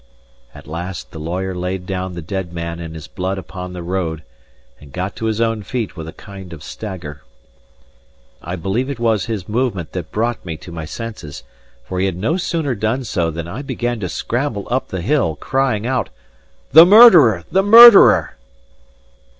At last the lawyer laid down the dead man in his blood upon the road, and got to his own feet with a kind of stagger. I believe it was his movement that brought me to my senses; for he had no sooner done so than I began to scramble up the hill, crying out, "The murderer! the murderer!"